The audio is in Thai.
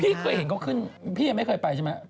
พี่เคยเห็นเขาขึ้นพี่ยังไม่เคยไปใช่ไหม